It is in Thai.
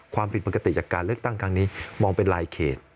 ความผิดปกติจากการเลือกตั้งครั้งนี้มองเป็นลายเขต